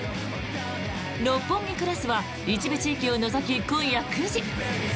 「六本木クラス」は一部地域を除き今夜９時。